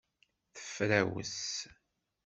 Tefrawes.